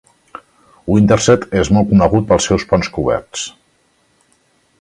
Winterset és molt conegut pels seus ponts coberts.